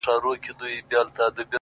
چي د پايزېب د شرنگولو کيسه ختمه نه ده!!